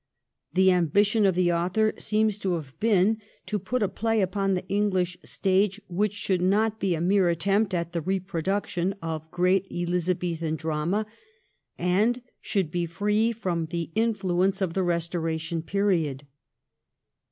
The ambition of the author seems to have been to put a play upon the Enghsh stage which should not be a mere attempt at the reproduction of the great Elizabethan drama, and should be free from the influence of the Eestoration period.